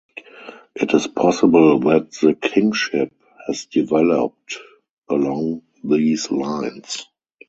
It is possible that the kingship has developed along these lines.